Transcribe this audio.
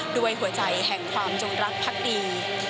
ด้วยหัวใจแห่งความจงรักพักดี